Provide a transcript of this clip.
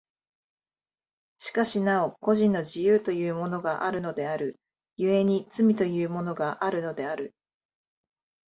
しかしなお個人の自由というものがあるのである、故に罪というものがあるのである。